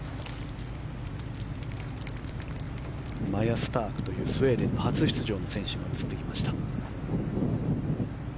マヤ・スタークというスウェーデンの初出場の選手が映ってきました。